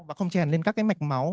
và không chèn lên các cái mạch máu